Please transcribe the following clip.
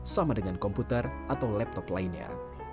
sama dengan komputer atau laptop lainnya